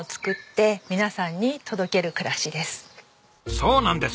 そうなんです！